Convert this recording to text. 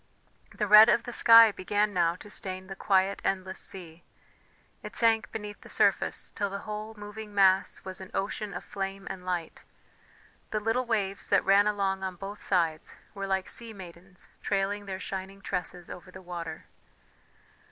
The red of the sky began now to stain the quiet endless sea it sank beneath the surface till the whole moving mass was an ocean of flame and light; the little waves that ran along on both sides were like sea maidens trailing their shining tresses over the water.